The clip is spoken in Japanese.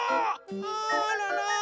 あらら。